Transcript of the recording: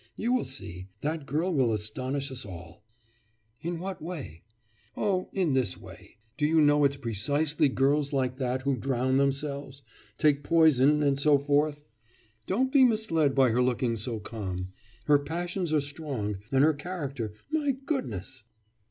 You will see, that girl will astonish us all.' 'In what way?' 'Oh! in this way.... Do you know it's precisely girls like that who drown themselves, take poison, and so forth? Don't be misled by her looking so calm. Her passions are strong, and her character my goodness!